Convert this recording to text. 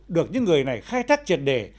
được những người này khai thác truyền đề